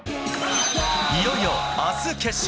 いよいよあす決勝。